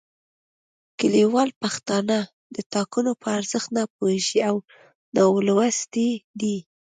کلیوال پښتانه د ټاکنو په ارزښت نه پوهیږي او نالوستي دي